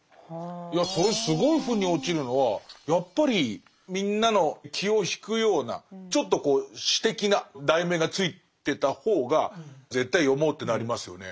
いやそれすごい腑に落ちるのはやっぱりみんなの気を引くようなちょっとこう詩的な題名が付いてた方が絶対読もうってなりますよね。